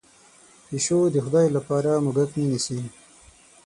پشو د خدای لپاره موږک نه نیسي.